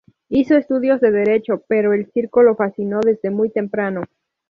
Hizo estudios de Derecho, pero el circo lo fascinó desde muy temprano.